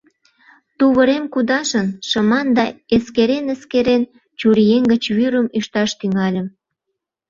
Тувырем кудашын, шыман да эскерен-эскерен, чурием гыч вӱрым ӱшташ тӱҥальым.